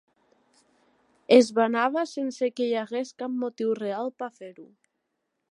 Es vanava sense que hi hagués cap motiu real per a fer-ho.